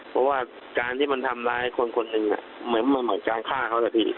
เพราะว่าการที่มันทำร้ายคนคนหนึ่งเหมือนการฆ่าเขานะพี่